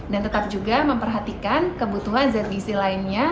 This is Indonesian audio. dan tetap juga memperhatikan kebutuhan zat gizi lainnya